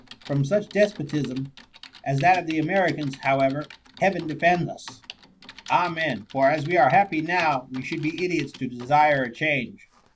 From such despotism as that of the Americans, however. Heaven defend us !^ "Amen! For, as we are happy now, we should be idiots to desire a change.